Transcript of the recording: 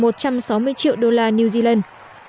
một trăm sáu mươi triệu đô la new zealand